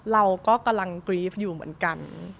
เราก็กำลังกรีฟอยู่เหมือนกัน